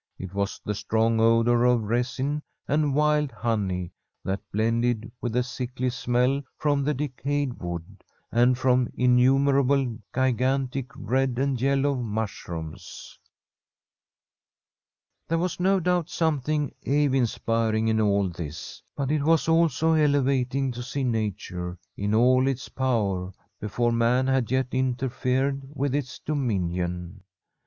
It was the strong odour of resin and wild honey that blended with the sickly smell from the decayed wood, and from innumerable gigan tic red and yellow mushrooms. There was no doubt something awe inspiring in all this, but it was also elevating to see nature in all its power before man had yet interfered with its dominion.